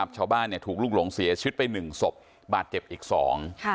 ชาวบ้านเนี่ยถูกลูกหลงเสียชีวิตไปหนึ่งศพบาดเจ็บอีกสอง